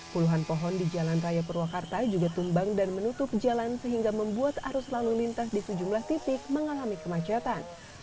puluhan pohon di jalan raya purwakarta juga tumbang dan menutup jalan sehingga membuat arus lalu lintas di sejumlah titik mengalami kemacetan